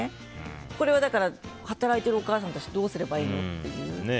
これは働いているお母さんたちどうすればいいのっていう。